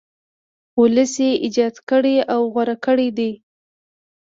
ولس یې ایجاد کړی او غوره کړی دی.